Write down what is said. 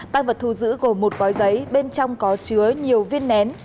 tăng vật thu giữ gồm một gói giấy bên trong có chứa nhiều viên nén